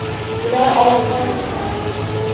Ular olamdan oʻtgan